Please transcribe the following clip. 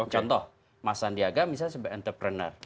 contoh mas sandiaga misalnya sebagai entrepreneur